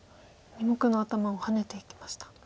２目の頭をハネていきました。